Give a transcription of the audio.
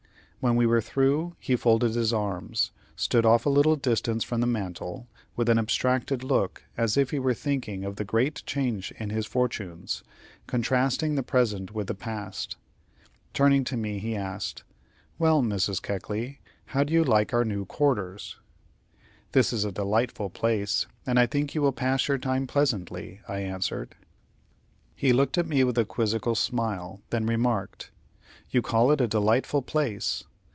When we were through, he folded his arms, stood off a little distance from the mantel, with an abstracted look as if he were thinking of the great change in his fortunes contrasting the present with the past. Turning to me, he asked: "Well, Mrs. Keckley, how do you like our new quarters?" "This is a delightful place, and I think you will pass your time pleasantly," I answered. He looked at me with a quizzical smile, then remarked: "You call it a delightful place!